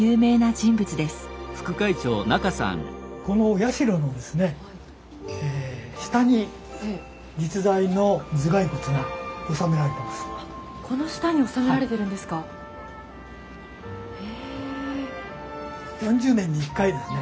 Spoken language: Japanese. この下に納められてるんですか。